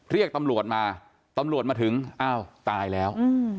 เรียกตำรวจมาตำรวจมาถึงอ้าวตายแล้ว